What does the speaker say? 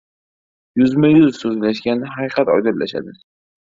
• Yuzma-yuz so‘zlashganda haqiqat oydinlashadi.